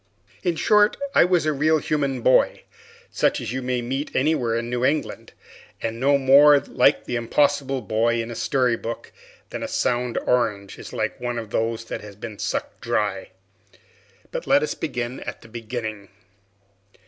In short, I was a real human boy, such as you may meet anywhere in New England, and no more like the impossible boy in a storybook than a sound orange is like one that has been sucked dry. But let us begin at the beginning.